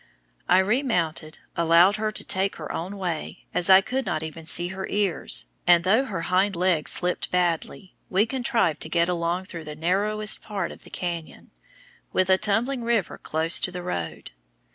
I remounted, allowed her to take her own way, as I could not see even her ears, and though her hind legs slipped badly, we contrived to get along through the narrowest part of the canyon, with a tumbling river close to the road.